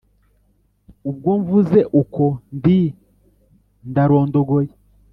ubwo mvuze uko ndi ndarondogoye.